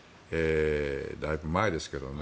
だいぶ前ですけどね。